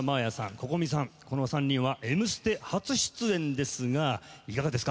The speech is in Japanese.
Ｃｏｃｏｍｉさん、この３人は「Ｍステ」初出演ですがいかがですか？